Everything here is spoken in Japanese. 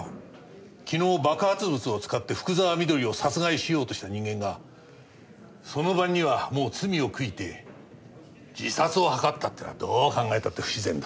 昨日爆発物を使って福沢美登里を殺害しようとした人間がその晩にはもう罪を悔いて自殺を図ったっていうのはどう考えたって不自然だ。